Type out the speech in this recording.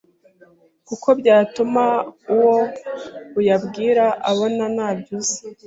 kuko byatuma uwo uyabwira abona ntabyo uzi